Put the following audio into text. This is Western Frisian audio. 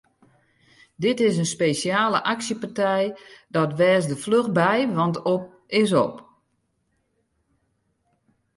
Dit is in spesjale aksjepartij, dat wês der fluch by want op is op!